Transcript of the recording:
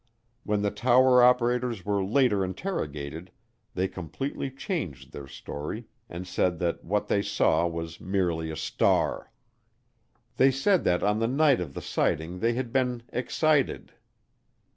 When the tower operators were later interrogated they completely changed their story and said that what they saw was merely a star. They said that on the night of the sighting they "had been excited."